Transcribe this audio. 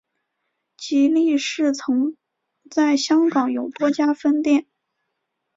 吉利市曾在香港有多家分店。